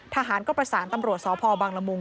ทหารก็ประสานตำรวจสพบังละมุง